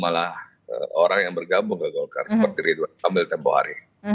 malah orang yang bergabung ke golkar seperti ridwan amil tembohari